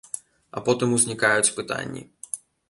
А потым узнікаюць пытанні.